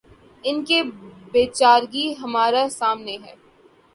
ان کی بے چارگی ہمارے سامنے ہے۔